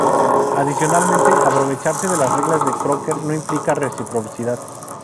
Adicionalmente, aprovecharse de las reglas de Crocker no implica reciprocidad.